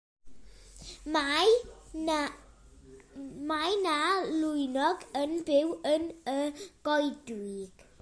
Mae 'na lwynog yn byw yn y goedwig.